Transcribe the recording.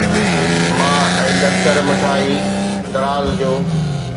مان ۽ دختر مٺا هي دراز جو